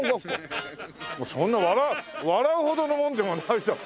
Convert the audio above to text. そんな笑うほどのもんでもないじゃん。